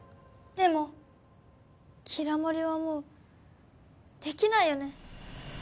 でもキラもりはもうできないよね？